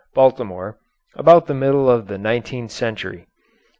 Baltimore, about the middle of the nineteenth century.